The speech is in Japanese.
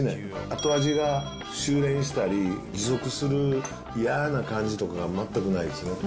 後味が収れんしたり、持続する嫌な感じとか全くないですね。